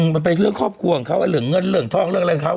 มันเป็นเรื่องครอบครัวของเขาเหลืองเงินเหลืองทองเรื่องอะไรของเขา